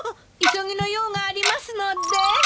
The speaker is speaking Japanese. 急ぎの用がありますので。